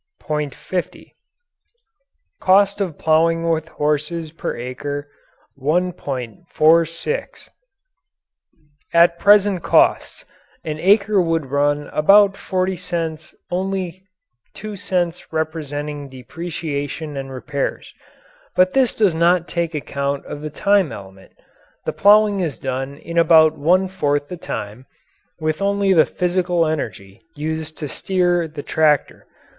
. 50 Cost of ploughing with horses; per acre. .......... 1.46 At present costs, an acre would run about 40 cents only two cents representing depreciation and repairs. But this does not take account of the time element. The ploughing is done in about one fourth the time, with only the physical energy used to steer the tractor.